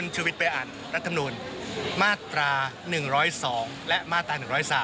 ชุวิตไปอ่านรัฐมนูลมาตรา๑๐๒และมาตรา๑๐๓